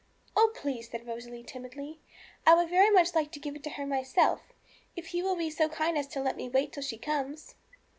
'Oh, please,' said Rosalie timidly, 'I would very much like to give it to her myself, if you will be so kind as to let me wait till she comes.'